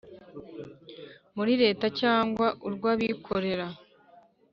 muri Leta cyangwa urw abikorera